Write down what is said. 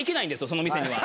その店には。